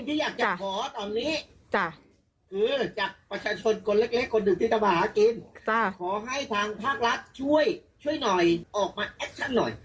ที่อยากจะขอตอนนี้จากประชาชนคนเล็กคนหนึ่งที่ทำมาหากินขอให้ทางภาครัฐช่วยช่วยหน่อยออกมาแอคชั่นหน่อย